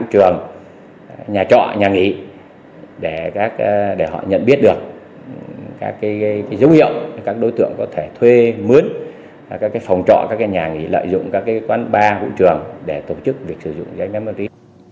tuyên truyền đối với các chỗ nhà trọ nhà nghỉ để họ nhận biết được các dấu hiệu các đối tượng có thể thuê mướn các phòng trọ các nhà nghỉ lợi dụng các quán bar vũ trường để tổ chức việc sử dụng dây ma túy